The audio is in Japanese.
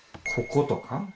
こことか。